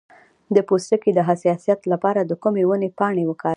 د پوستکي د حساسیت لپاره د کومې ونې پاڼې وکاروم؟